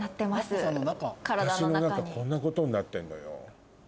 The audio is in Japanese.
私の中こんなことになってんのよ。